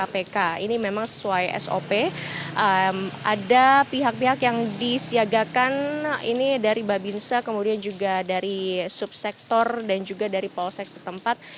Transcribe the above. pihak pihak yang disiagakan ini dari babinsa kemudian juga dari subsektor dan juga dari polsek setempat